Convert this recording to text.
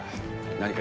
何か？